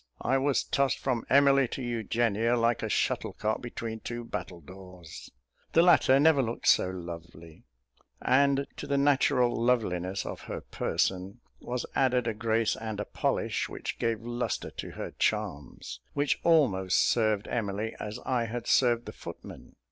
I was tossed from Emily to Eugenia, like a shuttlecock between two battledores. The latter never looked so lovely; and to the natural loveliness of her person, was added a grace and a polish, which gave a lustre to her charms, which almost served Emily as I had served the footman.